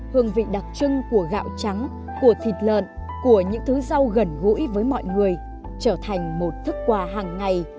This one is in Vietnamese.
hương vị đặc trưng của gạo trắng của thịt lợn của những thứ rau gần gũi với mọi người trở thành một thức quà hàng ngày